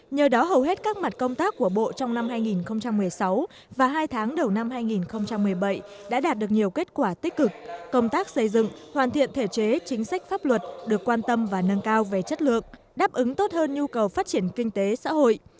nhờ đó hầu hết các mặt công tác của bộ trong năm hai nghìn một mươi sáu và hai tháng đầu năm hai nghìn một mươi bảy đã đạt được nhiều kết quả tích cực công tác xây dựng hoàn thiện thể chế chính sách pháp luật được quan tâm và nâng cao về chất lượng đáp ứng tốt hơn nhu cầu phát triển kinh tế xã hội